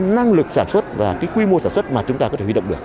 năng lực sản xuất và cái quy mô sản xuất mà chúng ta có thể huy động được